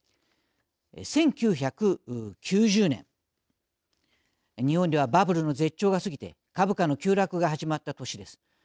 １９９０年、日本ではバブルの絶頂が過ぎて株価の急落が始まった年です。